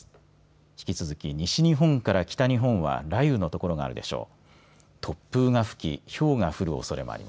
引き続き西日本から北日本は雷雨の所があるでしょう。